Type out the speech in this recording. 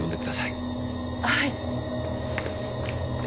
はい！